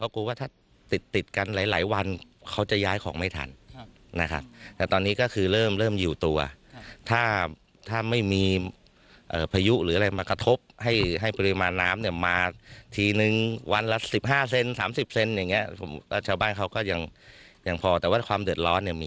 ทักษะมีโอกาสสวัสดิ์อย่างแล้วก็ทราบว่ามันมีจริงต้องเข้าไป